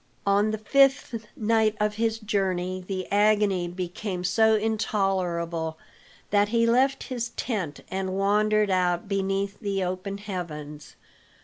On the fifth night of his journey the agony became so intolerable that he left his tent and wandered out beneath the open heavens.